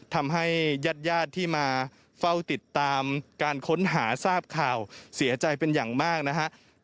ทำให้ญาติญาติที่มาเฝ้าติดตามการค้นหาทราบข่าวเสียใจเป็นอย่างมากนะครับ